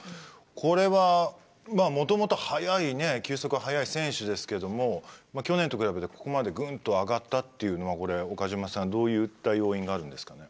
これはまあもともと球速速い選手ですけども去年と比べてここまでぐんと上がったっていうのはこれ岡島さんどういった要因があるんですかね。